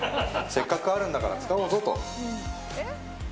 せっかくあるんだから使おうぞと。